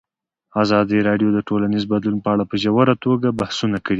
ازادي راډیو د ټولنیز بدلون په اړه په ژوره توګه بحثونه کړي.